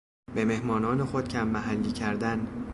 به مهمانان خود کم محلی کردن